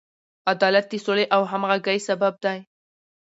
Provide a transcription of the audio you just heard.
عدالت د سولې او همغږۍ سبب دی.